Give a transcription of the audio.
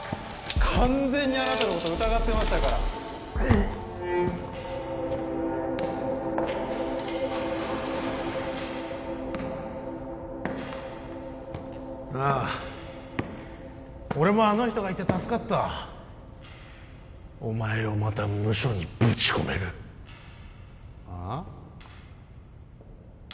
完全にあなたのこと疑ってましたからああ俺もあの人がいて助かったお前をまたムショにぶち込めるああ？